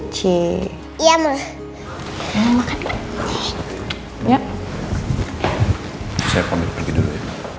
saya pamer pergi dulu ya ma